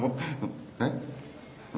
えっ？